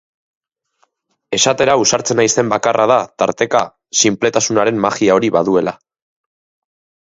Esatera ausartzen naizen bakarra da tarteka sinpletasunaren magia hori baduela.